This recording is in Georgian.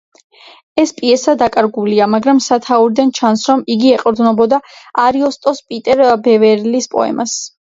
ეს პიესა დაკარგულია, მაგრამ სათაურიდან ჩანს, რომ იგი ეყრდნობოდა არიოსტოს ან პიტერ ბევერლის პოემას.